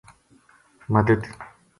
مدد